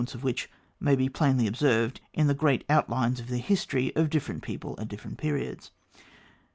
ence of which may be plainly observed in tha great outHnes of the history of different people at various periods.